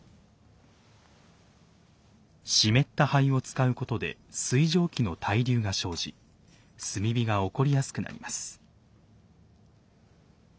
湿った灰を使うことで水蒸気の対流が生じ炭火が起こりやすくなります。